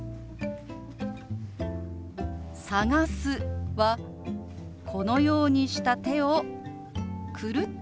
「探す」はこのようにした手をくるっとまわすようにします。